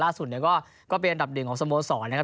เนี่ยก็เป็นอันดับหนึ่งของสโมสรนะครับ